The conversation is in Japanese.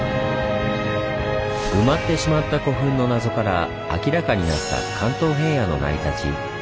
埋まってしまった古墳の謎から明らかになった関東平野の成り立ち。